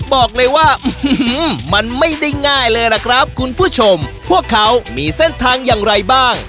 บอกเลยว่ามันไม่ได้ง่ายเลยล่ะครับคุณผู้ชมพวกเขามีเส้นทางอย่างไรบ้าง